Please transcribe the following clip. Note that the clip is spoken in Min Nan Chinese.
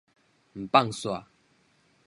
毋放煞